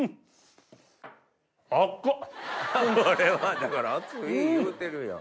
だから熱い言うてるやん。